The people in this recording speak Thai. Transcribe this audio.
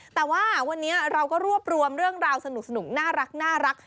แต่ว่าวันนี้เราก็รวบรวมเรื่องราวสนุกน่ารัก